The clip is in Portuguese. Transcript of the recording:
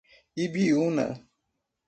Ibiúna